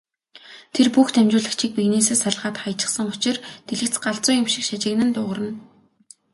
Тэр бүх дамжуулагчийг биенээсээ салгаад хаячихсан учир дэлгэц галзуу юм шиг шажигнан дуугарна.